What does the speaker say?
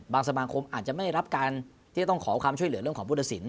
สมาคมอาจจะไม่รับการที่จะต้องขอความช่วยเหลือเรื่องของผู้ตัดสิน